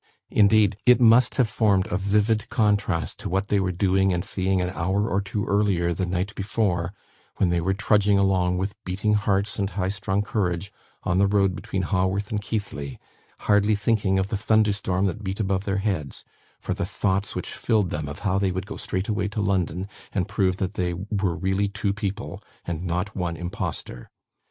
Indeed, it must have formed a vivid contrast to what they were doing and seeing an hour or two earlier the night before, when they were trudging along, with beating hearts and high strung courage, on the road between Haworth and Keighley, hardly thinking of the thunder storm that beat about their heads, for the thoughts which filled them of how they would go straight away to London, and prove that they were really two people, and not one imposter.